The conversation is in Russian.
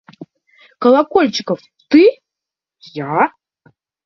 Колокольчиков, ты? – Я.